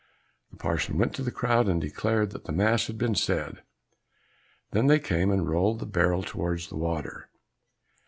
The parson went to the crowd, and declared that the mass had been said. Then they came and rolled the barrel towards the water.